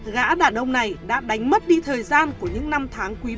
gã đàn ông này đã đánh mất đi thời gian của những năm tháng quy mô